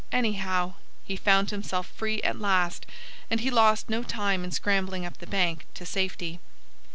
Anyhow, he found himself free at last; and he lost no time in scrambling up the bank to safety.